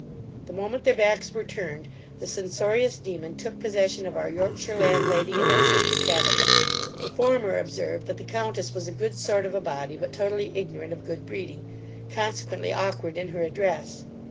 The moment their backs were turned, the censorious daemon took possession of our Yorkshire landlady and our sister Tabitha The former observed, that the countess was a good sort of a body, but totally ignorant of good breeding, consequently aukward in her address.